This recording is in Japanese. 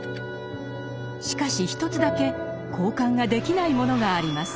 しかし一つだけ交換ができないものがあります。